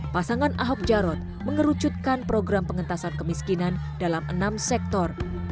pasangan ahok jarot mengerucutkan program pengentasan kemiskinan dalam enam sektor